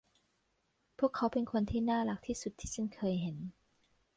พวกเขาเป็นคนที่น่ารักที่สุดที่ฉันเคยเห็น